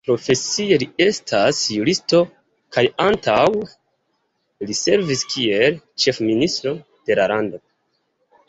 Profesie li estas juristo kaj antaŭe li servis kiel ĉefministro de la lando.